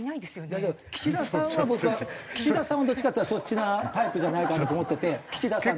いやでも岸田さんは僕は岸田さんはどっちかっていったらそっちのタイプじゃないかなと思ってて岸田さんね。